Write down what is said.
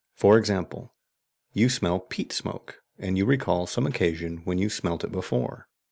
For example: you smell peat smoke, and you recall some occasion when you smelt it before.